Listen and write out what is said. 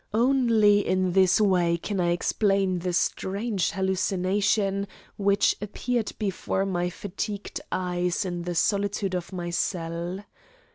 Only in this way can I explain the strange hallucination which appeared before my fatigued eyes in the solitude of my cell.